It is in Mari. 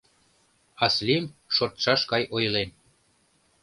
— Аслим шортшаш гай ойлен.